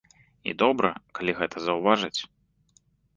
І добра, калі гэта заўважаць.